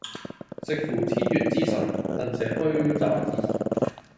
值符天乙之神，螣蛇虛詐之神